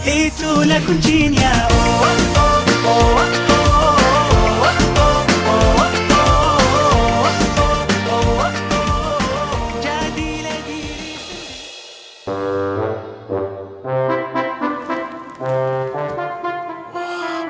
itu lah kuncinya